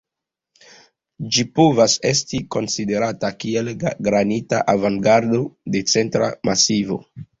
Ĝi povas esti konsiderata kiel granita avangardo de Centra Masivo.